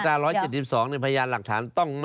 เพราะมาตรา๑๐๒นี่ขายารหลักฐาน